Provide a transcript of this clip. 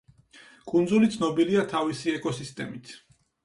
კუნძული ცნობილია თავისი ეკოსისტემით.